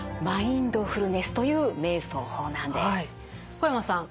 小山さん